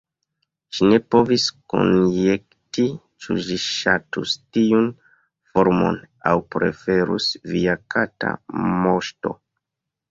Ŝi ne povis konjekti ĉu ĝi ŝatus tiun formon, aŭ preferus "Via kata moŝto."